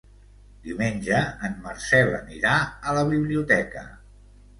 Diumenge en Marcel anirà a la biblioteca.